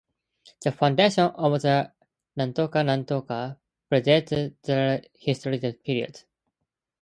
The foundation of the Ichinomiya Asama Jinja predates the historical period.